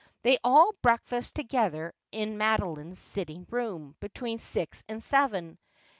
They all breakfasted together in Madoline's sitting room between six and seven.